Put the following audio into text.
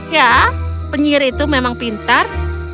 ya penyir itu memang pintar